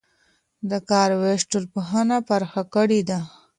د کار وېش ټولنپوهنه پراخه کړې ده.